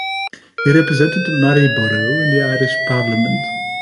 He represented Maryborough in the Irish Parliament.